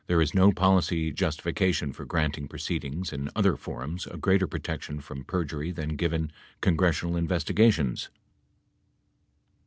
103 policy justification for granting proceedings in other forums a greater protection from perjury than given congressional investigations.